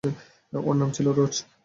ওর নাম ছিল রোজ।